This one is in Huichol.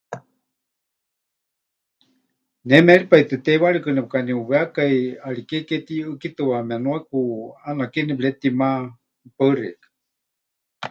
Ne méripai tɨ teiwarikɨ nepɨkaniuwékai, ʼariké ke tiyuʼɨ́kitɨwaame nuaku, ʼaana ke nepɨretima. Paɨ xeikɨ́a.